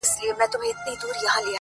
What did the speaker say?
زارۍ~